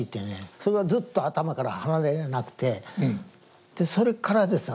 それがずっと頭から離れなくてそれからですわ。